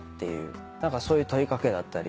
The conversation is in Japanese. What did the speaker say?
そういう問いかけだったり。